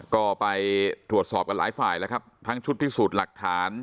ก็ไปตรวจสอบกันหลายฝ่ายแล้วครับทั้งชุดพิสูจน์หลักฐาน